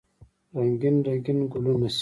رنګین، رنګین ګلونه سي